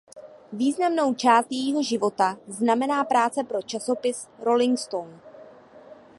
Významnou část jejího života znamená práce pro časopis "Rolling Stone".